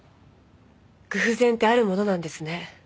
偶然ってあるものなんですね。